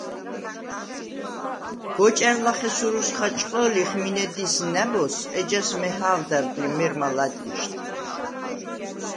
გოჭა̈რ ლახე სურუს ხაჭყჷ̄ლიხ მინე დის ნა̈ბოზს, ეჯა მეჰა̄ვდარდ ლი მე̄რმა ლა̈დღიშდ.